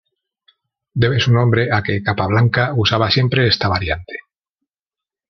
Debe su nombre a que Capablanca usaba siempre esta variante.